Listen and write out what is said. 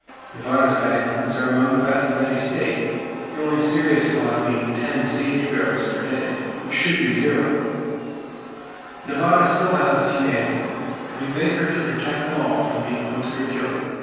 Nevada's bag limits are among the best of any state, the only serious flaw being "10 sage grouse" per day: which should be 0! Nevada still has a few antelope; and we beg her to protect them all from being hunted or killed!